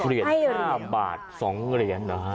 เหรียญ๕บาท๒เหรียญล้วง